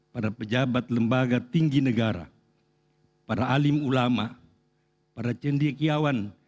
para pejabat lembaga tinggi negara para alim ulama para cendekiawan